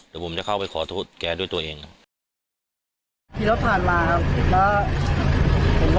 เดี๋ยวผมจะเข้าไปขอโทษแกด้วยตัวเองครับขี่รถผ่านมาครับแล้วผม